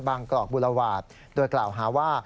บางกรอกบุราวาทด้วยกล่าวหาว่า